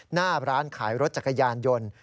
หน้าร้านขายรถจักรยานยนต์